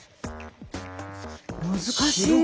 難しい。